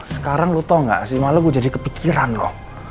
sekarang lo tau gak si malu gue jadi kepikiran lo